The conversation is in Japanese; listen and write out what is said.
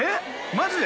マジで？